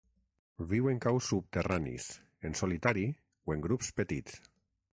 Viu en caus subterranis, en solitari o en grups petits.